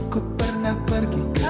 ku pernah pergi ke bali